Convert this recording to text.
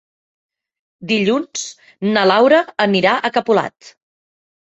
Dilluns na Laura anirà a Capolat.